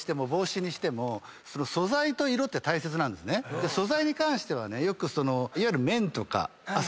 素材に関してはいわゆる。